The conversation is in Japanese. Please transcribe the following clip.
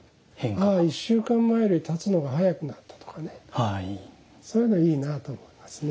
まあ１週間前より立つのが速くなったとかねそういうのいいなと思いますね。